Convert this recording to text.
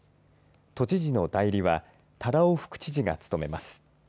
都知事の代理は多羅尾副知事が務めます。